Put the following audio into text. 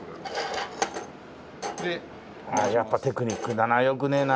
やっぱテクニックだな良くねえな。